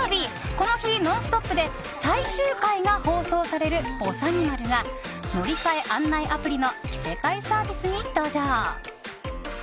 この日、「ノンストップ！」で最終回が放送される「ぼさにまる」が乗り換え案内アプリの着せ替えサービスに登場。